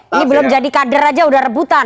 ini belum jadi kader aja udah rebutan